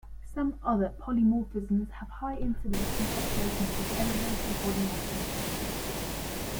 Some other polymorphisms have high incidence in populations with elevated body mass indexes.